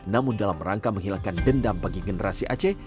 namun dalam rangka menghilangkan dendam bagi generasi aceh